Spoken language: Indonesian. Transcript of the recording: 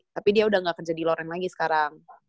tapi dia udah gak akan jadi loren lagi sekarang